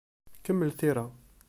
Kemmel tira.